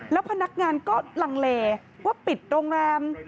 แล้วพนักงานก็ลังเลว่าปิดโรงแรม